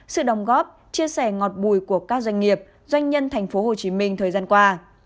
sự đồng góp chia sẻ ngọt bùi của các doanh nghiệp doanh nhân tp hcm thời gian qua